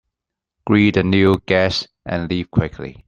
Greet the new guests and leave quickly.